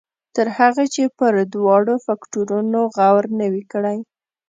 تر هغې چې پر دواړو فکټورنو غور نه وي کړی.